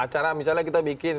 acara misalnya kita bikin